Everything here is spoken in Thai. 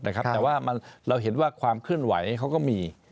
แต่ว่าเราเห็นว่าความเคลื่อนไหวเขาก็มี